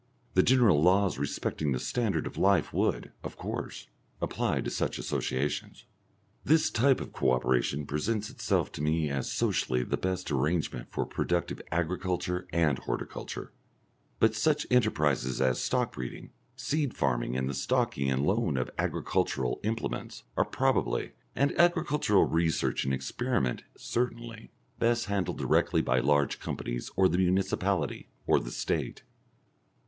The general laws respecting the standard of life would, of course, apply to such associations. This type of co operation presents itself to me as socially the best arrangement for productive agriculture and horticulture, but such enterprises as stock breeding, seed farming and the stocking and loan of agricultural implements are probably, and agricultural research and experiment certainly, best handled directly by large companies or the municipality or the State.